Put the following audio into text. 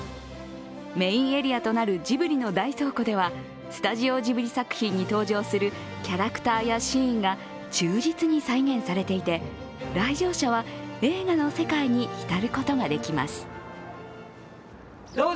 メインエリアとなるジブリの大倉庫では、スタジオジブリ作品に登場するキャラクターやシーンが忠実に再現されていて来場者は映画の世界に浸ることができます。